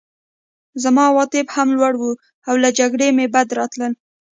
زما عواطف هم لوړ وو او له جګړې مې بد راتلل